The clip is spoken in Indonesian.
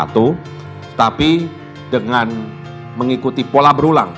tetapi dengan mengikuti pola berulang